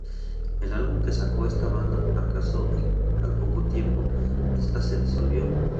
El álbum que sacó esta banda fracasó y al poco tiempo esta se disolvió.